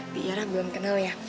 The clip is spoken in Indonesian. biar aku belum kenal ya